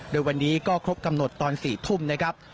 โดยวันนี้ก็ครบกำหนดตอน๔ทุ่มนะครับ